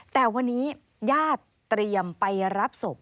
แต่วันนี้ญาติเตรียมไปรับศพ